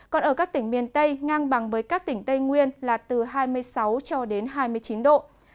còn ở các tỉnh miền tây ngang bằng với các tỉnh tây nguyên là từ hai mươi sáu cho đến hai mươi chín độ